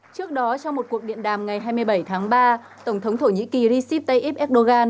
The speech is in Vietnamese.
trước đó trong một cuộc điện đàm ngày hai mươi bảy tháng ba tổng thống thổ nhĩ kỳ recep tayyip erdogan